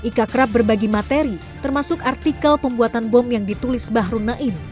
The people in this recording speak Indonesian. ika kerap berbagi materi termasuk artikel pembuatan bom yang ditulis bahru naim